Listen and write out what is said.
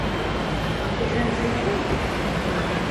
Yezenz-itent?